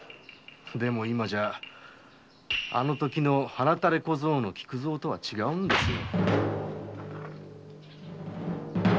でも今じゃあのときの小僧の菊蔵とは違うんですよ。